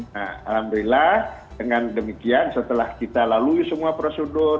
nah alhamdulillah dengan demikian setelah kita lalui semua prosedur